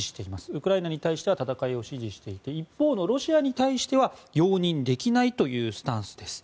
ウクライナに対しては戦いを支持していて一方のロシアに対しては容認できないというスタンスです。